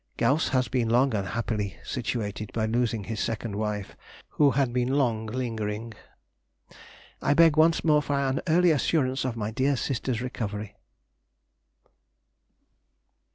Gauss has been long unhappily situated by losing his second wife, who had been long lingering.... ... I beg once more for an early assurance of my dear sister's recovery.